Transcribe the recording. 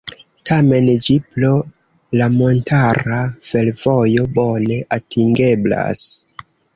Tamen ĝi pro la montara fervojo bone atingeblas.